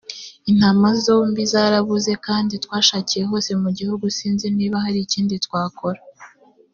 intama zombi zarabuze kandi twashakiye hose mugihugu sinzi niba hari ikindi twakora